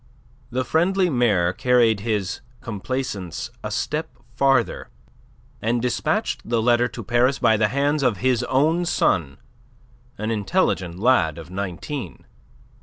The friendly mayor carried his complaisance a step farther, and dispatched the letter to Paris by the hands of his own son, an intelligent lad of nineteen.